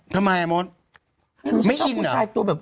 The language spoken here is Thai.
ทำไมไม่รู้ฉันชอบผู้ชาย